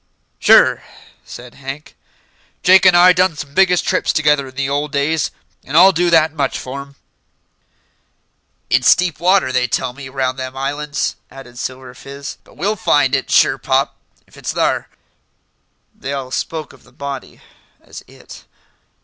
"Sure," said Hank. "Jake an' I done some biggish trips together in the old days, and I'll do that much for'm." "It's deep water, they tell me, round them islands," added Silver Fizz; "but we'll find it, sure pop, if it's thar." They all spoke of the body as "it."